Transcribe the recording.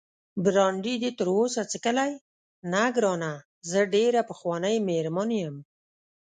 برانډي دې تراوسه څښلی؟ نه ګرانه، زه ډېره پخوانۍ مېرمن یم.